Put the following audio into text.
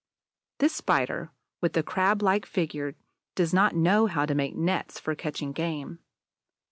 This Spider with the Crab like figure does not know how to make nets for catching game.